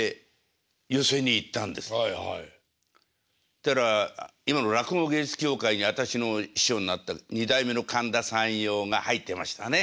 ったら今の落語芸術協会に私の師匠になった二代目の神田山陽が入ってましたね。